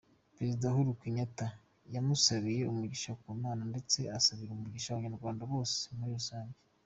Perezida Uhuru Kenyatta yamusabiye umugisha ku Mana ndetse asabira umugisha abanyarwanda bose muri rusange.